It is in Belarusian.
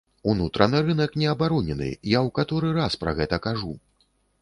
Унутраны рынак не абаронены, я ў каторы раз пра гэта кажу.